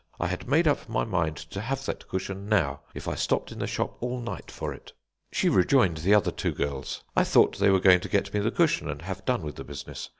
I had made up my mind to have that cushion now if I stopped in the shop all night for it. "She rejoined the other two girls. I thought they were going to get me the cushion and have done with the business.